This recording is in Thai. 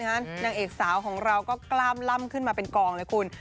นางเอกสาวของเราก็กล้ามล่ำขึ้นมาเป็นกองเลยคุณ